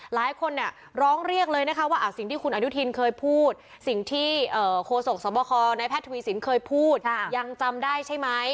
หลายคนร้องเรียกเลยนะคะว่าสิ่งที่คุณอนุทินเคยพูดสิ่งที่โคศกสวบคในแพทย์ทวีสินเคยพูดยังจำได้ใช่ไหม